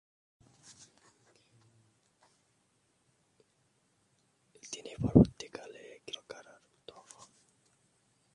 তিনি পরবর্তীকালে গ্রেফতার ও কারারুদ্ধ হন।